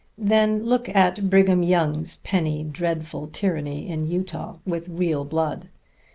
Then look at Brigham Young's penny dreadful tyranny in Utah, with real blood.